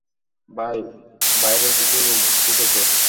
ভাই, বাইরের কিছু লোক ঢুকেছে।